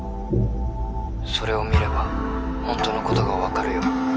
☎それを見ればホントのことが分かるよ